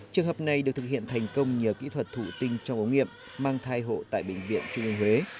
trường hợp này được thực hiện thành công nhờ kỹ thuật thụ tinh trong ống nghiệm mang thai hộ tại bệnh viện trung ương huế